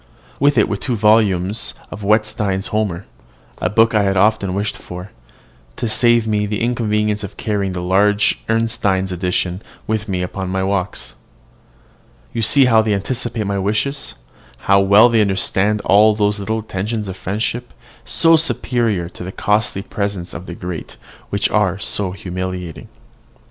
With it were two volumes in duodecimo of Wetstein's "Homer," a book I had often wished for, to save me the inconvenience of carrying the large Ernestine edition with me upon my walks. You see how they anticipate my wishes, how well they understand all those little attentions of friendship, so superior to the costly presents of the great, which are humiliating.